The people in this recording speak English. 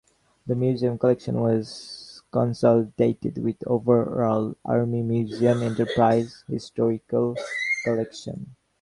The museum collection was consolidated with overall Army Museum Enterprise historical collection.